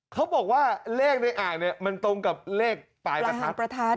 เขาบอกว่าเลขในอ่างเนี่ยมันตรงกับเลขปลายประทัดประทัด